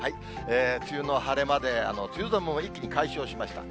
梅雨の晴れ間で、梅雨寒も一気に解消しました。